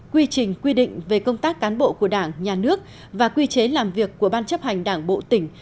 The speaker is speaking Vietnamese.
quy trình quy định về công tác cán bộ của đảng nhà nước và quy chế làm việc của ban chấp hành đảng bộ tỉnh